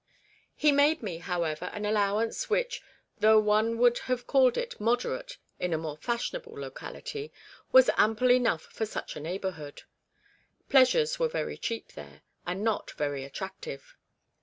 He made me, however, an allowance, which, though one would have called it moderate in a more fashionable locality, was ample enough for such a neigh bourhood. Pleasures were very cheap there, and not very attractive.